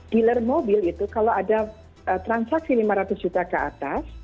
dealer mobil itu kalau ada transaksi lima ratus juta ke atas